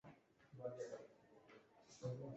Hala ere, mendeak igaro ahala, desagertzen joan zen.